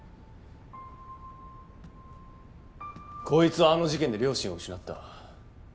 こいつはあの事件で両親を失った。